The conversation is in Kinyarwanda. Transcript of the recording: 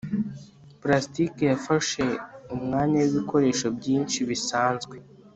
plastike yafashe umwanya wibikoresho byinshi bisanzwe